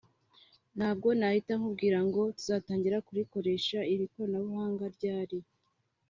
ntabwo nahita nkubwira ngo tuzatangira kurikoresha (iri koranabuhanga) ryari